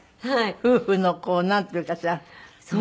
夫婦のこうなんていうかさねえ。